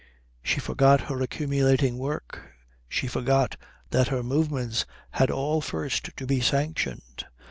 She forgot her accumulating work. She forgot that her movements had all first to be sanctioned.